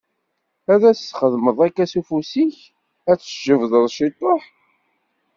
Ad as-txedmeḍ akka s ufus-ik, ad tt-tjebdeḍ ciṭuḥ.